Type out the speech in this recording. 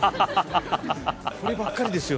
こればっかりですよ